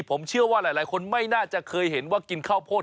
ผมเชื่อว่าหลายคนไม่น่าจะเคยเห็นว่ากินข้าวโพด